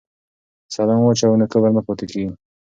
که سلام واچوو نو کبر نه پاتې کیږي.